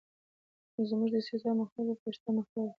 زموږ د سیاست محور به پښتونخوا وي.